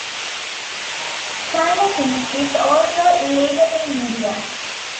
Psilocin is also illegal in India.